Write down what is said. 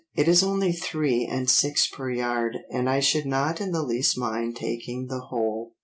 It is only three and six per yard, and I should not in the least mind taking the whole.